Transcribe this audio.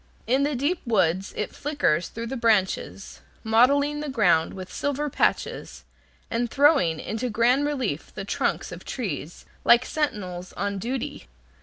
In the deep woods it flickers through the branches, mottling the ground with silver patches, and throwing into grand relief the trunks of trees, like sentinels on duty.